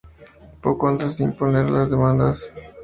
poco antes de interponer las demandas